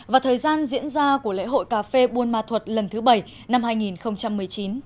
và thời gian diễn ra của lễ hội cà phê buôn ma thuật lần thứ bảy năm hai nghìn một mươi chín